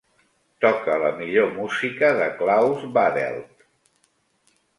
Toca la millor música de Klaus Badelt.